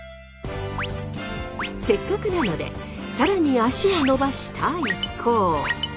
せっかくなので更に足を伸ばした一行。